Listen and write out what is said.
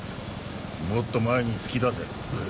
もっと前に突き出せ。